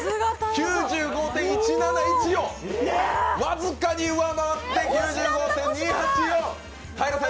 ９５．１７１を僅かに上回って９５．２８４。